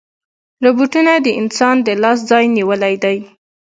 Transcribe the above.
روبوټونه د انسان د لاس ځای نیولی دی.